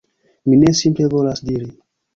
Mi ne simple volas diri: